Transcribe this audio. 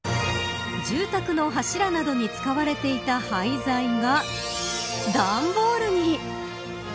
住宅の柱などに使われていた廃材が段ボールに。